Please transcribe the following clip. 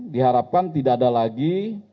diharapkan tidak ada lagi